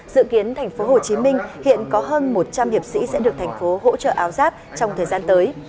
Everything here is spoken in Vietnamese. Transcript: dự kiến tp hcm hiện có hơn một trăm linh hiệp sĩ sẽ được thành phố hỗ trợ áo giáp trong thời gian tới